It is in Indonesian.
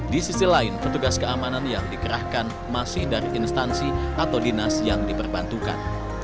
di sisi lain petugas keamanan yang dikerahkan masih dari instansi atau dinas yang diperbantukan